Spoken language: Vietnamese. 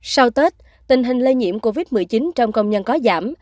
sau tết tình hình lây nhiễm covid một mươi chín trong công nhân có giảm